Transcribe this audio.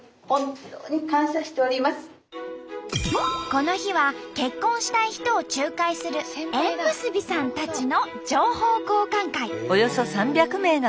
この日は結婚したい人を仲介する縁結びさんたちの情報交換会。